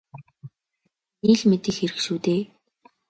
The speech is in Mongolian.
Таны л мэдэх хэрэг шүү дээ.